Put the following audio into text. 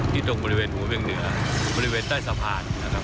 ที่ตรงบริเวณหัวเวียงเหนือบริเวณใต้สะพาน